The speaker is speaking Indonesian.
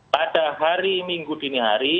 pada hari minggu dinihari